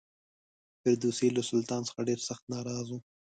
فردوسي له سلطان څخه ډېر سخت ناراض و.